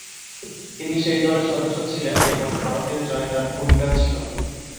তিনি সেই দলের সদস্য ছিলেন এবং ভারতের জয়ে তার ভূমিকা ছিল।